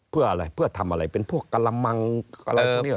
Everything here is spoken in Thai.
เพื่ออะไรเพื่อทำอะไรเป็นพวกกระมังอะไรพวกนี้